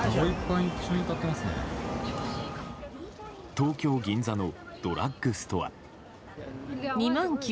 東京・銀座のドラッグストア。